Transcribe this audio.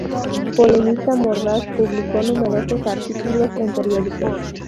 Polemista mordaz, publicó numerosos artículos en periódicos.